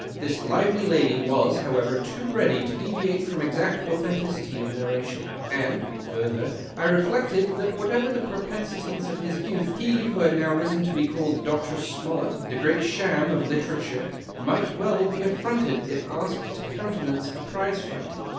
This lively lady was, however, too ready to deviate from exact authenticity of narration ; and, further, I reflected that, whatever the propensities of his youth, he who had now risen to be called by Dr. Smollett the Great Cham of literature might well be affronted if asked to countenance a prize fight.